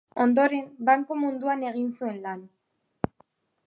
Ondoren banku munduan egin zuen lan.